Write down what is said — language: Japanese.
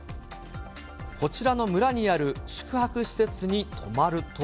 こちらの村にある宿泊施設に泊まると。